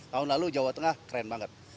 tahun lalu jawa tengah keren banget